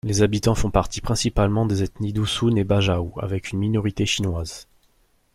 Les habitants font partie principalement des ethnies Dusun et Bajau avec une minorité chinoise.